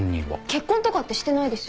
結婚とかってしてないですよね？